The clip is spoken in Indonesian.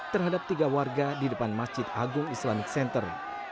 terhadap tiga warga di depan masjid agung islamic center